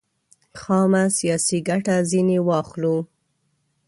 خامه سیاسي ګټه ځنې واخلو.